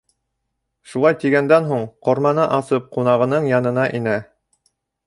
Шулай тигәндән һуң, ҡорманы асып, ҡунағының янына инә.